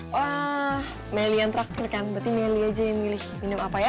wah meli yang terakhir kan berarti meli aja yang milih minum apa ya